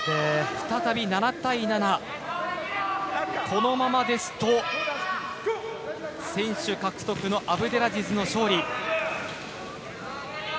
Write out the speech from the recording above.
再び７対７このままですと先取獲得のアブデラジズの勝利。